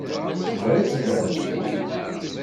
Da i tzedɣemt?